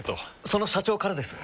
その社長からです。